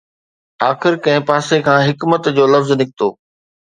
آخر ڪنهن پاسي کان حڪمت جو لفظ نڪتو